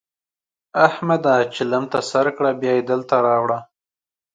احمده! چلم ته سر کړه؛ بيا يې دلته راوړه.